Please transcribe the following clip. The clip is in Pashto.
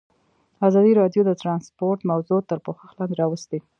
ازادي راډیو د ترانسپورټ موضوع تر پوښښ لاندې راوستې.